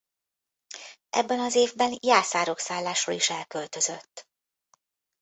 Ebben az évben Jászárokszállásról is elköltözött.